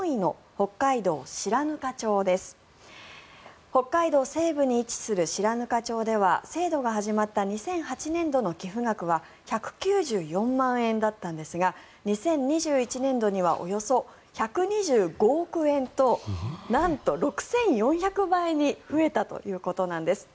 北海道西部に位置する白糠町では制度が始まった２００８年度の寄付額は１９４万円だったんですが２０２１年度にはおよそ１２５億円となんと６４００倍に増えたということなんです。